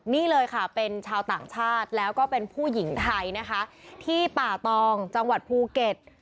นี่เลยค่ะเป็นชาวต่างชาติแล้วก็เป็นผู้หญิงไทยนะคะที่ป่าตองจังหวัดภูเก็ต